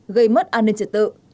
gây mất an ninh trở tự